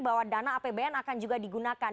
bahwa dana apbn akan juga digunakan